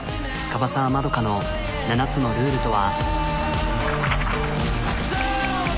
樺澤まどかの７つのルールとは。